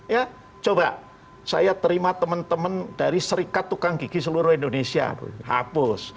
ya coba saya terima teman teman dari serikat tukang gigi seluruh indonesia hapus